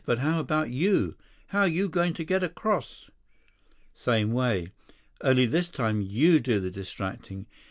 But how about you? How you going to get across?" "Same way. Only this time you do the distracting.